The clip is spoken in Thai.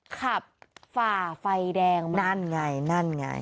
ขับฝ่าไฟแดงมา